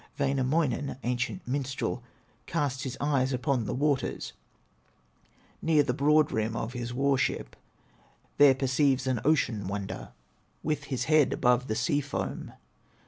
Wainamoinen, ancient minstrel, Casts his eyes upon the waters Near the broad rim of his war ship; There perceives an ocean wonder With his head above the sea foam.